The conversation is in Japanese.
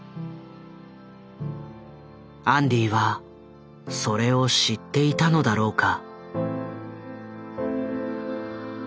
アンディはそれを知っていたのだろうか。